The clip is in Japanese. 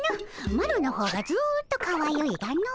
マロの方がずっとかわゆいがの。